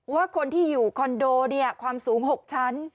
ว่าคนที่อยู่คอนโดเนี่ยความสูง๖ชั้น